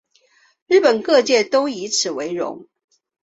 日本各界都以此为荣。